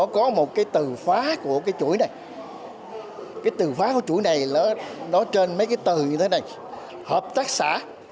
có một cái từ phá của cái chuỗi này cái từ phá của chuỗi này nó trên mấy cái từ như thế này hợp tác xã